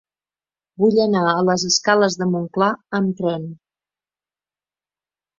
Vull anar a les escales de Montclar amb tren.